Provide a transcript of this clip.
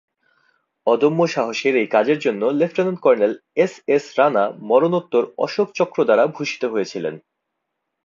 অদম্য সাহসের এই কাজের জন্য লেঃ কর্নেল এসএস রানা মরণোত্তর অশোক চক্র দ্বারা ভূষিত হয়েছিলেন।